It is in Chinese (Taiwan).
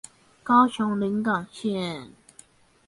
高雄臨港線